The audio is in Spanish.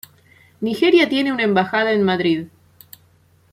Nigeria tiene una embajada en Madrid.